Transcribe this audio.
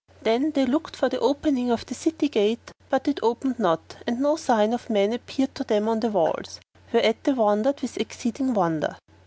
Then they looked for the opening of the city gate; but it opened not and no sign of men appeared to them on the walls; whereat they wondered with exceeding wonder.